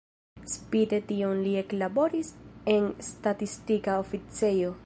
Spite tion li eklaboris en statistika oficejo.